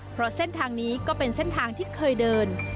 เพราะเส้นทางนี้ก็เป็นเส้นทางที่เคยเดิน